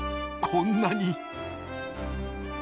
こんなに！？